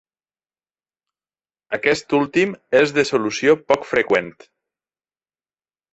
Aquest últim és de solució poc freqüent.